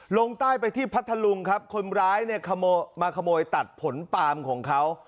ลงใต้ไปที่พัทธลุงครับคนร้ายเนี่ยขโมยมาขโมยตัดผลปาล์มของเขา